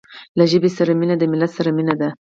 له ژبې سره مینه د ملت سره مینه ده.